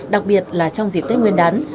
đặc biệt là trong dịp tết nguyên đán